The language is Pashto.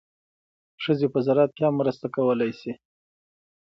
ښځې په زراعت کې هم مرسته کولی شي.